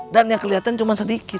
dan yang kelihatan cuma sedikit